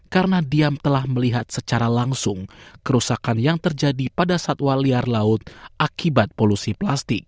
karena dia telah melihat secara langsung kerusakan yang terjadi pada satwa liar laut akibat polusi plastik